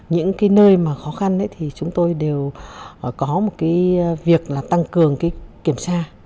những nơi khó khăn thì chúng tôi đều có việc tăng cường kiểm tra